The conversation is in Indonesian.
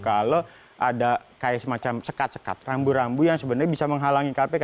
kalau ada kayak semacam sekat sekat rambu rambu yang sebenarnya bisa menghalangi kpk